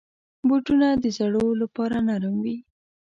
بوټونه د زړو لپاره نرم وي.